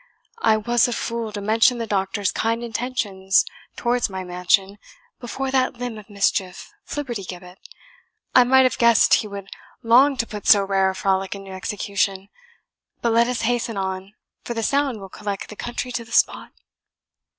"I was a fool to mention the doctor's kind intentions towards my mansion before that limb of mischief, Flibbertigibbet; I might have guessed he would long to put so rare a frolic into execution. But let us hasten on, for the sound will collect the country to the spot."